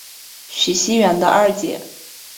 徐熙媛的二姐。